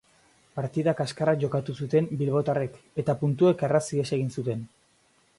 Partida kaskarra jokatu zuten bilbotarrek eta puntuek erraz ihes egin zuten.